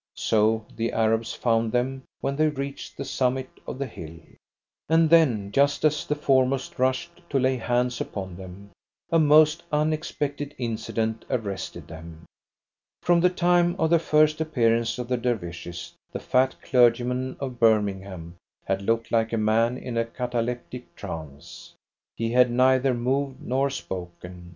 So the Arabs found them when they reached the summit of the hill. And then, just as the foremost rushed to lay hands upon them, a most unexpected incident arrested them. From the time of the first appearance of the Dervishes the fat clergyman of Birmingham had looked like a man in a cataleptic trance. He had neither moved nor spoken.